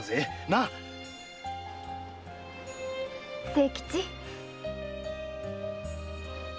清吉！